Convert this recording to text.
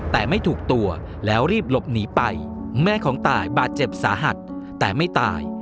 แต่ไม่ถูกตัวแล้วรีบหลบหนีไปแม่ของตายบาดเจ็บสาหัสแต่ไม่ตาย